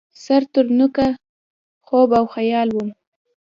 سر ترنوکه خوب او خیال وم